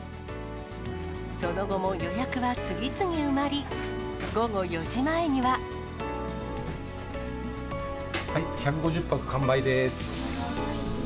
その後も予約は次々埋まり、はい、１５０泊、完売です。